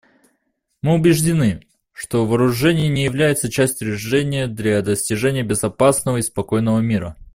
Мы убеждены, что вооружения не являются частью решения для достижения безопасного и спокойного мира.